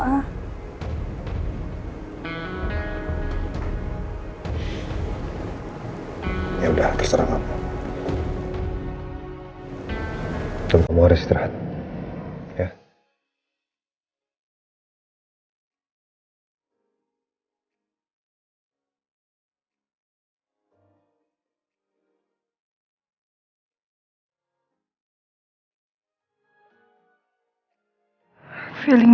kamu tau papa itu punya riwayat jantung